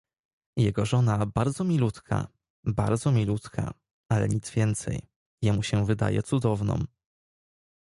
"Jego żona bardzo milutka, bardzo milutka, ale nic więcej... Jemu się wydaje cudowną."